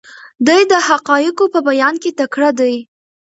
دی د حقایقو په بیان کې تکړه دی.